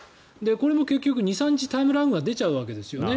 これも結局２３日タイムラグが出ちゃうわけですよね